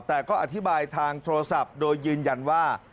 แต่ก็อธิบายทางโทรศัพท์โดยยืนยันว่า